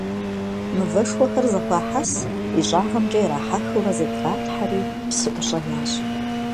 Мывэшхуэхэр зэхуахьэс, ищӀагъымкӀэ ирахьэхыурэ, зэтралъхьэри, псыӀущӀэ ящӀ.